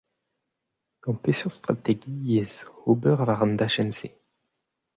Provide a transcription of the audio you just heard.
Gant peseurt strategiezh ober war an dachenn-se ?